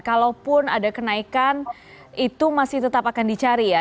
kalaupun ada kenaikan itu masih tetap akan dicari ya